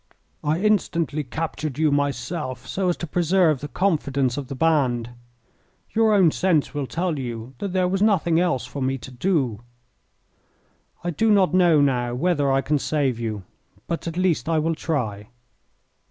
I instantly captured you myself, so as to preserve the confidence of the band. Your own sense will tell you that there was nothing else for me to do. I do not know now whether I can save you, but at least I will try."